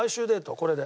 これで。